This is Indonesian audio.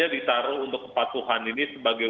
di taruh untuk kepatuhan ini sebagai